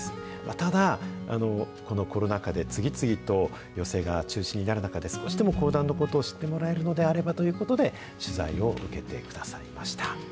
ただ、このコロナ禍で次々と寄席が中止になる中で、少しでも講談のことを知ってもらえるのであればということで、取材を受けてくださいました。